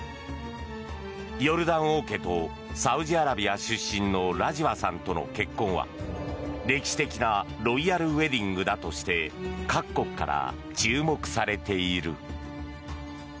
ヨルダン王家とサウジアラビア出身のラジワさんとの結婚は歴史的なロイヤルウェディングだとして各国から注目されている。